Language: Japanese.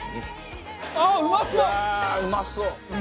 うまそう。